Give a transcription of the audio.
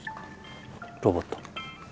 ロボット。